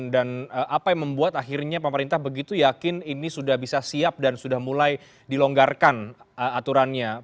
dan apa yang membuat akhirnya pemerintah begitu yakin ini sudah bisa siap dan sudah mulai dilonggarkan aturannya